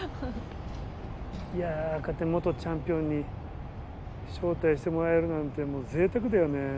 いやこうやって元チャンピオンに招待してもらえるなんてもうぜいたくだよね。